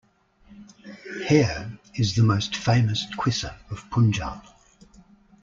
Heer is the most famous Quissa of Punjab.